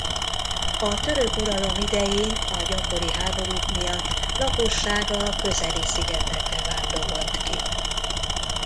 A török uralom idején a gyakori háborúk miatt lakossága a közeli szigetekre vándorolt ki.